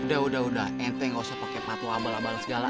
udah udah udah ente gak usah pakai patuh abal abal segala